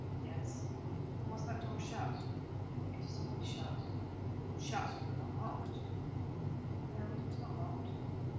"Yes." "Was that door shut?" "It is always shut." "Shut, but not locked?" "No, it was not locked."